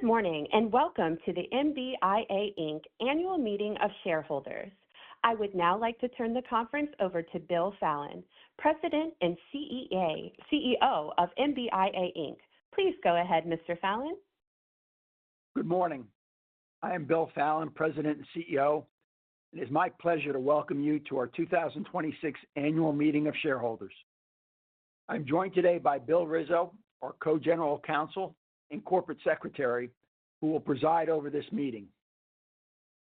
Good morning, welcome to the MBIA Inc Annual Meeting of Shareholders. I would now like to turn the conference over to Bill Fallon, President and CEO of MBIA Inc. Please go ahead, Mr. Fallon. Good morning. I am Bill Fallon, President and CEO. It is my pleasure to welcome you to our 2026 Annual Meeting of Shareholders. I'm joined today by Bill Rizzo, our Co-General Counsel and Corporate Secretary, who will preside over this meeting.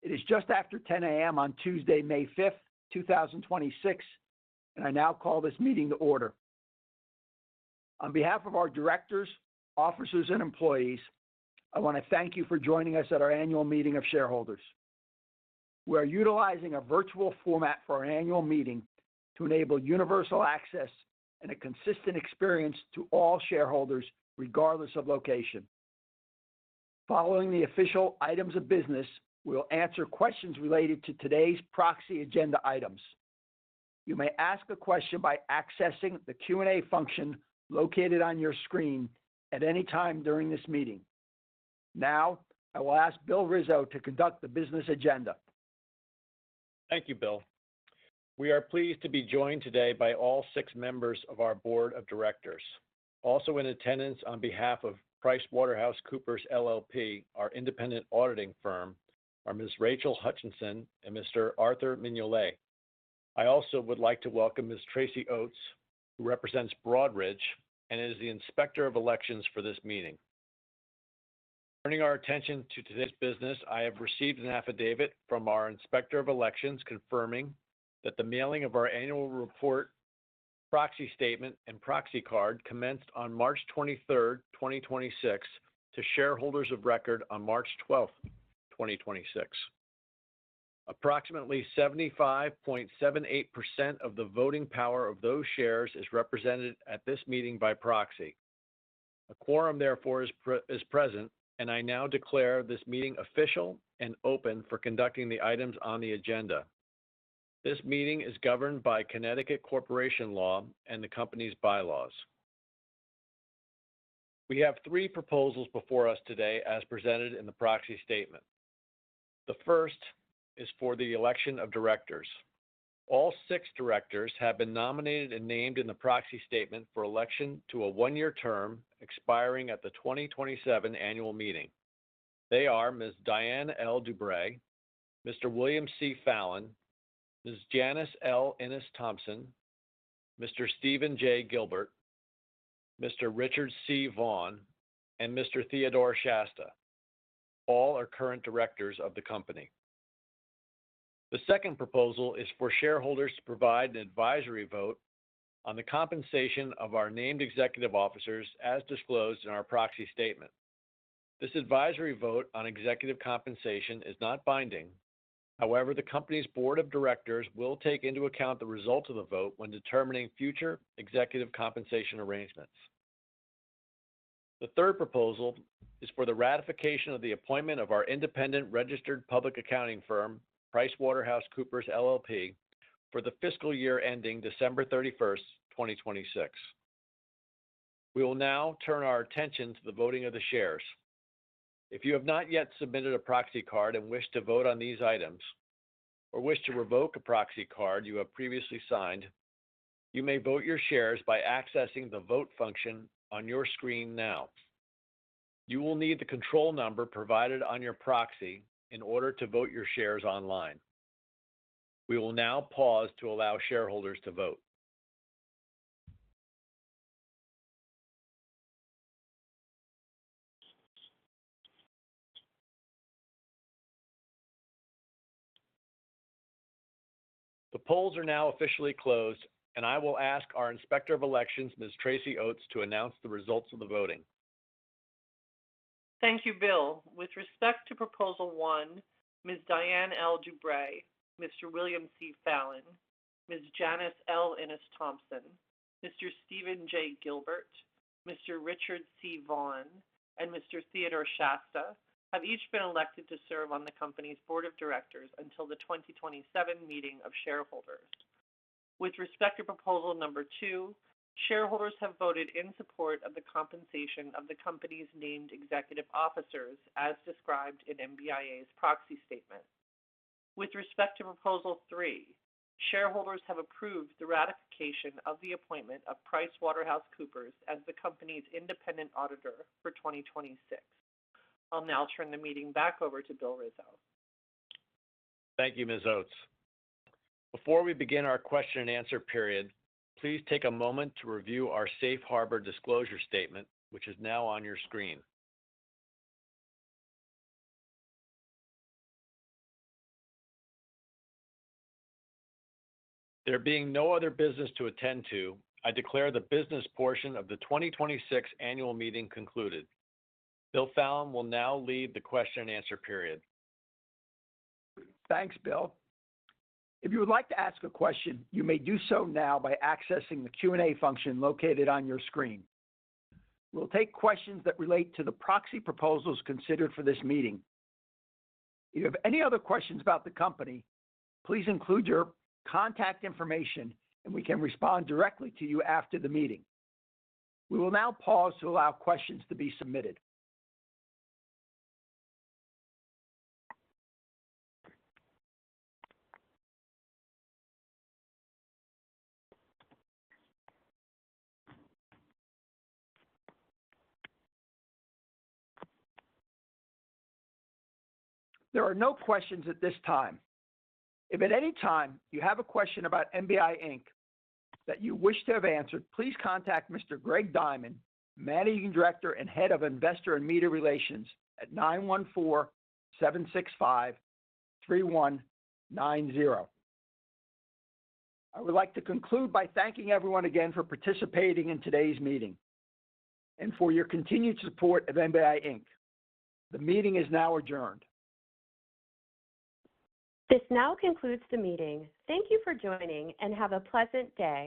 It is just after 10:00 A.M. on Tuesday, May 5th, 2026, and I now call this meeting to order. On behalf of our directors, officers, and employees, I wanna thank you for joining us at our annual meeting of shareholders. We are utilizing a virtual format for our annual meeting to enable universal access and a consistent experience to all shareholders, regardless of location. Following the official items of business, we'll answer questions related to today's proxy agenda items. You may ask a question by accessing the Q&A function located on your screen at any time during this meeting. Now, I will ask Bill Rizzo to conduct the business agenda. Thank you, Bill. We are pleased to be joined today by all six members of our Board of Directors. Also in attendance on behalf of PricewaterhouseCoopers LLP, our independent auditing firm, are Ms. Rachel Hutchinson and Mr. Arthur Mignola. I also would like to welcome Ms. Tracy Oats, who represents Broadridge and is the Inspector of Elections for this meeting. Turning our attention to today's business, I have received an affidavit from our Inspector of Elections confirming that the mailing of our annual report, proxy statement, and proxy card commenced on March 23rd, 2026 to shareholders of record on March 12th, 2026. Approximately 75.78% of the voting power of those shares is represented at this meeting by proxy. A quorum, therefore, is present. I now declare this meeting official and open for conducting the items on the agenda. This meeting is governed by Connecticut Corporation Law and the company's bylaws. We have three proposals before us today as presented in the proxy statement. The first is for the election of directors. All six directors have been nominated and named in the proxy statement for election to a one-year term expiring at the 2027 annual meeting. They are Ms. Diane L. Dewbrey, Mr. William C. Fallon, Ms. Janice Innis-Thompson, Mr. Steven J. Gilbert, Mr. Richard C. Vaughan, and Mr. Theodore Shasta. All are current directors of the company. The second proposal is for shareholders to provide an advisory vote on the compensation of our named executive officers as disclosed in our proxy statement. This advisory vote on executive compensation is not binding. However, the company's board of directors will take into account the result of the vote when determining future executive compensation arrangements. The third proposal is for the ratification of the appointment of our independent registered public accounting firm, PricewaterhouseCoopers LLP, for the fiscal year ending December 31st, 2026. We will now turn our attention to the voting of the shares. If you have not yet submitted a proxy card and wish to vote on these items or wish to revoke a proxy card you have previously signed, you may vote your shares by accessing the Vote function on your screen now. You will need the control number provided on your proxy in order to vote your shares online. We will now pause to allow shareholders to vote. The polls are now officially closed, and I will ask our Inspector of Elections, Ms. Tracy Oats, to announce the results of the voting. Thank you, Bill. With respect to proposal one, Ms. Diane L. Dewbrey, Mr. William C. Fallon, Ms. Janice Innis-Thompson, Mr. Steven J. Gilbert, Mr. Richard C. Vaughan, and Mr. Theodore Shasta have each been elected to serve on the company's board of directors until the 2027 meeting of shareholders. With respect to proposal number two, shareholders have voted in support of the compensation of the company's named executive officers as described in MBIA's proxy statement. With respect to proposal three, shareholders have approved the ratification of the appointment of PricewaterhouseCoopers as the company's independent auditor for 2026. I'll now turn the meeting back over to Bill Rizzo. Thank you, Ms. Oats. Before we begin our question and answer period, please take a moment to review our safe harbor disclosure statement, which is now on your screen. There being no other business to attend to, I declare the business portion of the 2026 annual meeting concluded. Bill Fallon will now lead the question and answer period. Thanks, Bill. If you would like to ask a question, you may do so now by accessing the Q&A function located on your screen. We'll take questions that relate to the proxy proposals considered for this meeting. If you have any other questions about the company, please include your contact information, and we can respond directly to you after the meeting. We will now pause to allow questions to be submitted. There are no questions at this time. If at any time you have a question about MBIA Inc that you wish to have answered, please contact Mr. Greg Diamond, Managing Director and Head of Investor and Media Relations at 914-765-3190. I would like to conclude by thanking everyone again for participating in today's meeting and for your continued support of MBIA Inc. The meeting is now adjourned. This now concludes the meeting. Thank you for joining, and have a pleasant day.